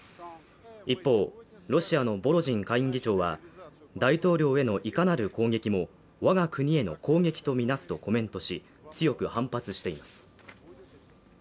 一方、ロシアのボロジン下院議長は大統領へのいかなる攻撃も我が国への攻撃とみなすとコメントし、強く反発しています。